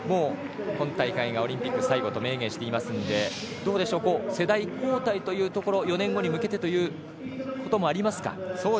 今大会がオリンピック最後と明言していますので世代交代というところ４年後に向けてというところもありますか？